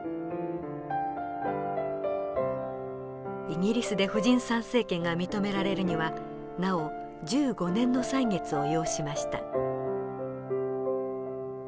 イギリスで婦人参政権が認められるにはなお１５年の歳月を要しました。